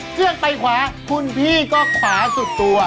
เครื่องไปขวาคุณพี่ก็ขวาสุดตัว